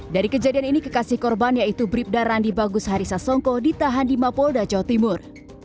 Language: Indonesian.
dari kejadian ini kekasih korban yaitu bribda randi bagus harisa songko ditahan di mapolda jawa timur